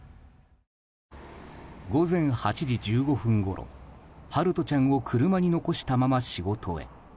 午前８時１５分ごろ陽翔ちゃんを車に残したまま仕事へ。